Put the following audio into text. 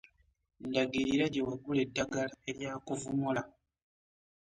Ndagirira gye wagula eddagala eryakuvumula.